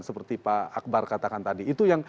seperti pak akbar katakan tadi